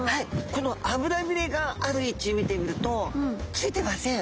この脂びれがある位置見てみるとついてません。